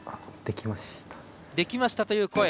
「できました」という声。